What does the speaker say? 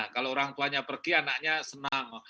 kalau orang tuanya pergi anaknya senang